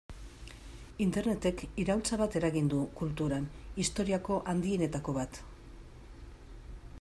Internetek iraultza bat eragin du kulturan, historiako handienetako bat.